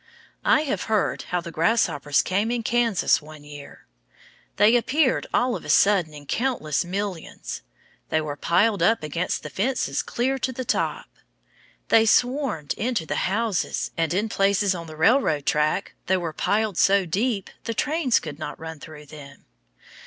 I have heard how the grasshoppers came in Kansas one year. They appeared all of a sudden in countless millions. They were piled up against the fences clear to the top. They swarmed into the houses, and in places on the railroad track they were piled so deep the trains could not run through them.